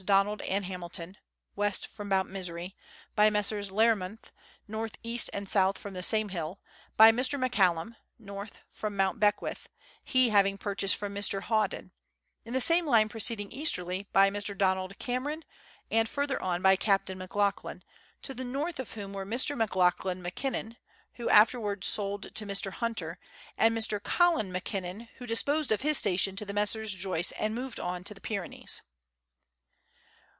Donald and Hamilton (west from Mount Misery); by Messrs. Learmonth (north east and south from the same hill); by Mr. McCallum (north from Mount Beckwith), he having pur chased from Mr. Hawdon ; in the same line proceeding easterly, by Mr. Donald Cameron, and further on by Captain McLachlan, to the north of whom were Mr. Lachlan Mackinnon, who after wards sold to Mr. Hunter ; and Mr. Colin Mackinnou, who disposed of his station to the Messrs. Joyce and moved on to the Pyrenees.